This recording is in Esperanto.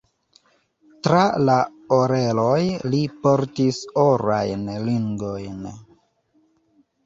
Tra la oreloj li portis orajn ringojn.